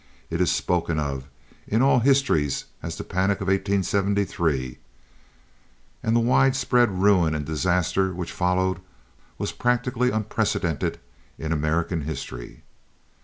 It is spoken of in all histories as the panic of 1873, and the widespread ruin and disaster which followed was practically unprecedented in American history.